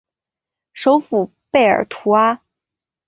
首府贝尔图阿。